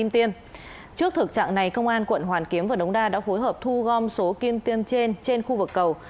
trước thực trạng này công an quận hoàn kiếm và đống đa đã phối hợp thu gom số kim tiêm trên trên khu vực cầu